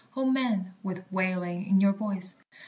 O men, with wailing in your voice!